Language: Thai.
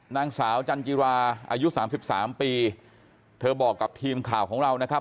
นางสาวจันจิราอายุสามสิบสามปีเธอบอกกับทีมข่าวของเรานะครับ